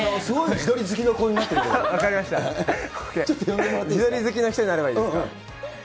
自撮り好きの人になればいいですか？